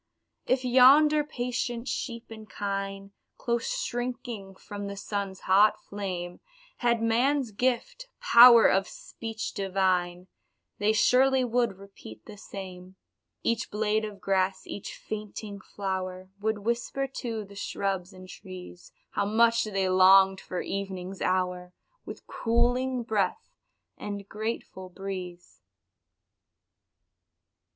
If yonder patient sheep and kine, Close shrinking from the sun's hot flame, Had man's gift "power of speech divine," They surely would repeat the same Each blade of grass, each fainting flower, Would whisper to the shrubs and trees, How much they longed for evening's hour, With cooling breath and grateful breeze.